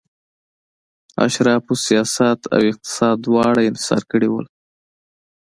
اشرافو سیاست او اقتصاد دواړه انحصار کړي وو.